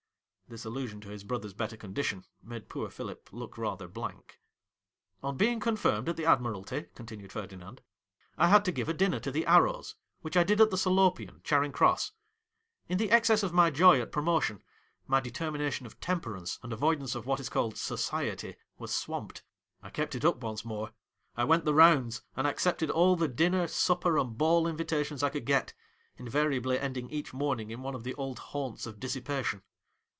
This allusion to his brother's better con dition made poor Philip look rather blank. ' On being confirmed at the Admiralty,' continued Ferdinand, ' I had to give * a dinner to the "Arrows ;" which I did at the Salopian, Charing Cross. In the excess of my joy at promotion, my determination of temperance and avoidance of what is called " society " was swamped. I kept it up once more ; I went the "rounds," and accepted all the dinner, supper, and ball invitations I coiild get, invariably ending each morning in one of the old haunts of dissipation.